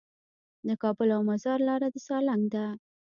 د کابل او مزار لاره د سالنګ ده